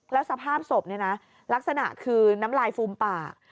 แล้วสภาพศพเนี่ยนะลักษณะคือน้ำลายฟูมปาก